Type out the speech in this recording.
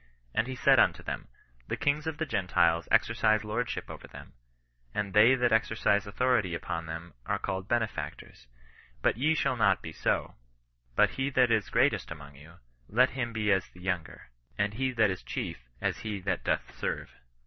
And he said unto them. The kings of the Gentiles exercise lordship over them ; and they that ex ercise authority upon them are called benefactors. But ye shall not be so : but he that is greatest among you, let him be as the younger ; and he that is chief, as he that doth serve."